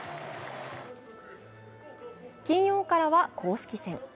金曜からは公式戦。